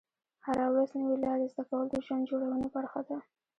هره ورځ نوې لارې زده کول د ژوند جوړونې برخه ده.